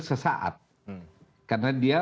sesaat karena dia